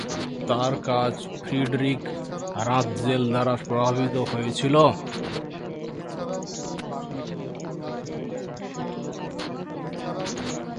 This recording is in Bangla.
তার কাজ ফ্রিডরিখ রাৎজেল দ্বারা প্রভাবিত হয়েছিল।